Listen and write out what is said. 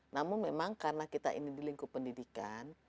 namun memang karena kita ini di lingkup pendidikan